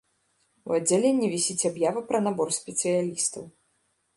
У аддзяленні вісіць аб'ява пра набор спецыялістаў.